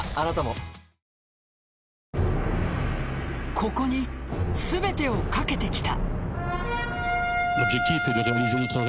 ここに全てを懸けてきた。